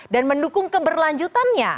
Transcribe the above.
dan mendukung keberlanjutannya